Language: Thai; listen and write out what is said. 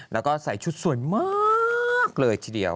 แล้วก็ใส่ชุดสวยมากเลยทีเดียว